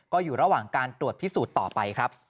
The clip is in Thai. ก็อยู่ระหว่างการตรวจพิสูจน์ต่อไปครับ